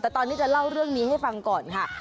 แต่ตอนนี้จะเล่าเรื่องนี้ให้ฟังก่อนค่ะ